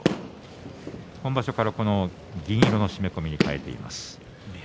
今場所から銀色の締め込みに替えています。